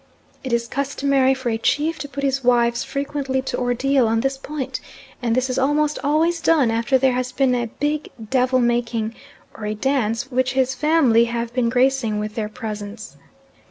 It is customary for a chief to put his wives frequently to ordeal on this point, and this is almost always done after there has been a big devil making, or a dance, which his family have been gracing with their presence.